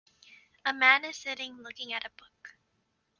A man is sitting looking at a book.